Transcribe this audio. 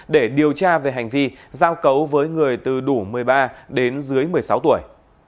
để điều tra về hành vi giao cấu với người từ đủ một mươi ba đến dưới một mươi sáu tuổi